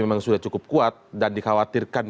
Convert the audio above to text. memang sudah cukup kuat dan dikhawatirkan